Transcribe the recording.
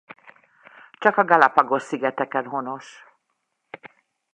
Csak a Galápagos-szigeteken honos.